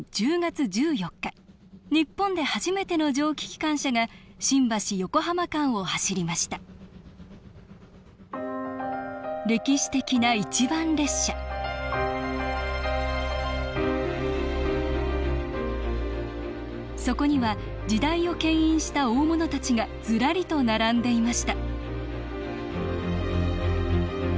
日本で初めての蒸気機関車が新橋横浜間を走りました歴史的な一番列車そこには時代をけん引した大物たちがずらりと並んでいました